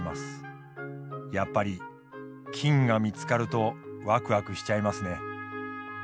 やっぱり金が見つかるとワクワクしちゃいますね。